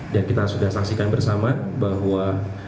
dan kita sudah saksikan bersama bahwa